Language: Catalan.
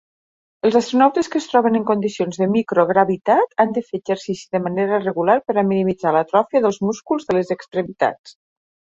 Els astronautes que es troben en condicions de microgravitat han de fer exercici de manera regular per a minimitzar l'atròfia dels músculs de les extremitats.